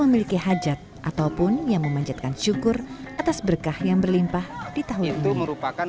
memiliki hajat ataupun yang memanjatkan syukur atas berkah yang berlimpah di tahun ini merupakan